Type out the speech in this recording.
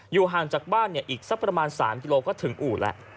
อยู่ห่างจากบ้านเนี่ยอีกสักประมาณ๓กิโลกรัมก็ถึงอู่แหละ